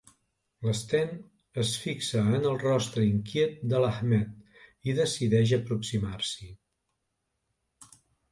L'Sten es fixa en el rostre inquiet de l'Ahmed i decideix aproximar-s'hi.